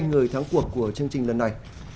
người thắng cuộc của chương trình lần này